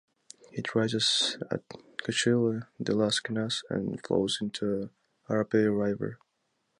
It rises at Cuchilla de las Cañas and flows into Arapey river.